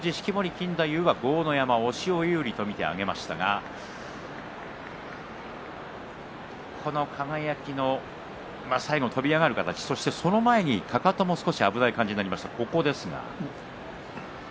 錦太夫は豪ノ山の押しを有利として上げましたが輝の最後、飛び上がる形そしてその前に、かかとも少し危ない感じになりました。